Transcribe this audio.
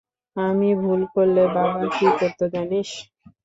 আমি ভুল করলে বাবা কী করত, জানিস?